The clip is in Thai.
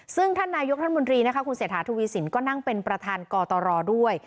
ซึ่งท่านนายุคท่านมนตรีนะคะคุณเสถาธุวิสินก็นั่งเป็นประธานกอตรอด้วย